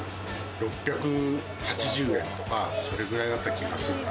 ６８０円とか、それくらいだった気がするな。